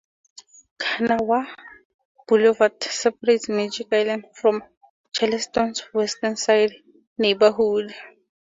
Kanawha Boulevard separates Magic Island from Charleston's West Side neighborhood.